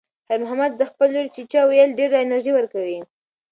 خیر محمد ته د خپلې لور "چیچیه" ویل ډېره انرژي ورکوي.